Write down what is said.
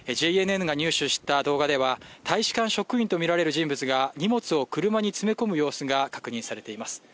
ＪＮＮが入手した動画では大使館職員とみられる人物が荷物を車に詰め込む様子が確認されています。